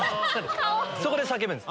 そこで叫ぶんです。